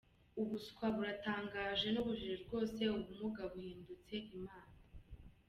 Ubuswa ! Buratangaje nubujiji rwose ubumuga buhindutse Imana.